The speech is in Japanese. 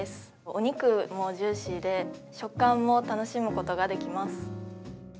お肉もジューシーで、食感も楽しむことができます。